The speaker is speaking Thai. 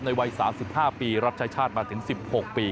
วัย๓๕ปีรับชายชาติมาถึง๑๖ปี